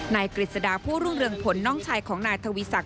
กฤษฎาผู้รุ่งเรืองผลน้องชายของนายทวีศักดิ